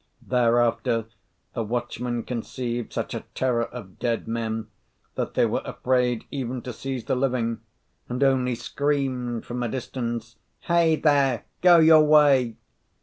Thereafter the watchmen conceived such a terror of dead men that they were afraid even to seize the living, and only screamed from a distance, "Hey, there! go your way!"